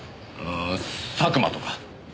んー佐久間とか。